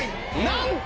なんと？